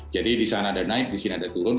jadi di sana ada naik di sini ada turun